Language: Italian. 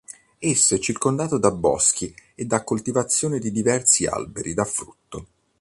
Esso è circondato da boschi e da coltivazioni di diversi alberi da frutto.